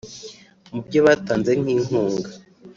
Mu byo batanze nk’inkunga